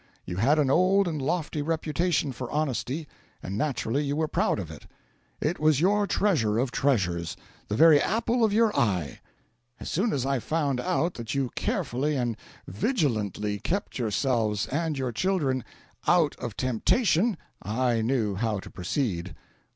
You had an old and lofty reputation for honesty, and naturally you were proud of it it was your treasure of treasures, the very apple of your eye. As soon as I found out that you carefully and vigilantly kept yourselves and your children OUT OF TEMPTATION, I knew how to proceed.